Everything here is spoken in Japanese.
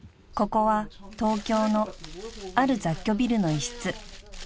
［ここは東京のある雑居ビルの一室］